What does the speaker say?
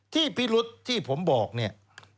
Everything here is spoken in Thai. พิรุษที่ผมบอกเนี่ย